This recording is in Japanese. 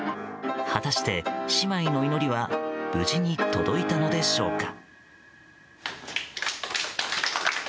果たして姉妹の祈りは無事に届いたのでしょうか？